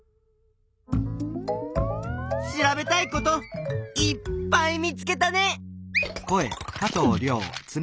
調べたいこといっぱい見つけたね。